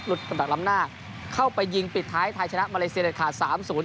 ลุดกำหนักล้ำหน้าเข้าไปยิงปิดท้ายท้ายชนะมาเลเซียเด็ดขาด๓๐